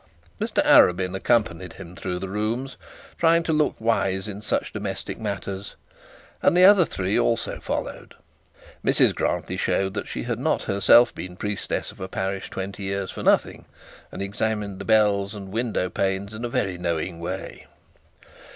Mr Arabin accompanied him through the rooms, trying to look wise in such domestic matters, and the other three also followed. Mrs Grantly showed that she herself had not been priestess of a parish twenty years for nothing, and examined the bells and window panes in a very knowing way.